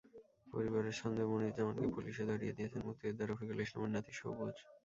পরিবারের সন্দেহ, মনিরুজ্জামানকে পুলিশে ধরিয়ে দিয়েছেন মুক্তিযোদ্ধা রফিকুল ইসলামের নাতি সবুজ।